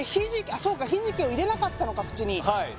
あそうかひじきを入れなかったのか口にはい